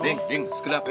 deng deng sekejap ya